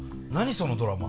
そのドラマ。